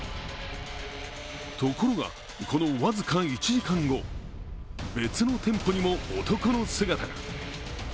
ところが、この僅か１時間後、別の店舗にも男の姿が。